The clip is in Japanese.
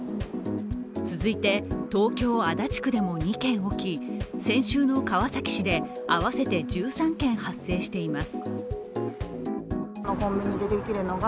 続いて東京・足立区でも２件起き、先週の川崎市で合わせて１３件発生しています。